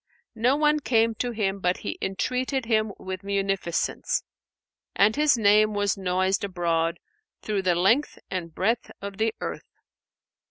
[FN#500] No one came to him but he entreated him with munificence, and his name was noised abroad, through the length and breadth of the earth.